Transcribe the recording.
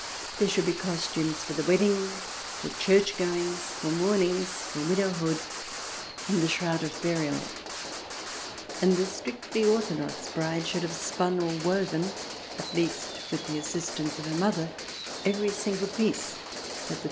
There should be costumes for the wedding, for church goings, for mournings, for widowhood, and the shroud of burial. And the strictly orthodox bride should have spun or woven, at least with I|8 THE DESIRABLE ALIEN [ch.